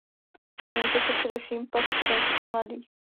Věnuje se především pastoraci mladých.